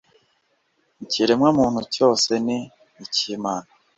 Ikiremwamuntu cyose ni icy'Imana,